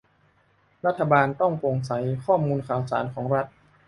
รัฐบาลต้องโปร่งใส ข้อมูลข่าวสารของรัฐ